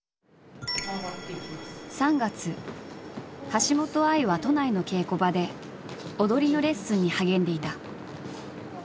橋本愛は都内の稽古場で踊りのレッスンに励んでいた。